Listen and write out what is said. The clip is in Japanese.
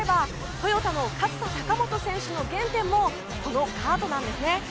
トヨタの勝田貴元選手の原点もこのカートなんですね。